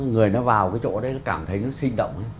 người nó vào cái chỗ đấy nó cảm thấy nó sinh động